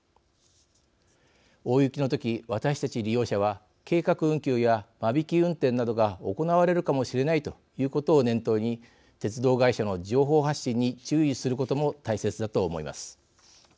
大雪の時、私たち利用者は計画運休や間引き運転などが行われるかもしれないということを念頭に鉄道会社の情報発信に注意することも大切だと思います。